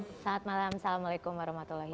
assalamualaikum warahmatullahi wabarakatuh